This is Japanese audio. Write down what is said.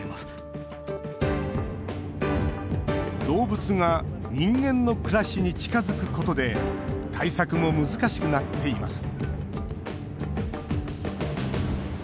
動物が人間の暮らしに近づくことで対策も難しくなっています